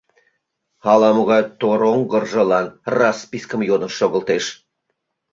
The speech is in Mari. Ала-могай тор оҥгыржылан распискым йодын шогылтеш!